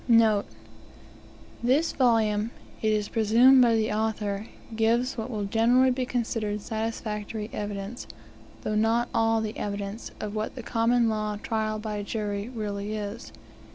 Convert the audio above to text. NOTE This volume, it is presumed by the author, gives what will generally be considered satisfactory evidence, though not all the evidence, of what the Common Law trial by jury really is.